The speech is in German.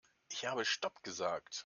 Ich habe stopp gesagt.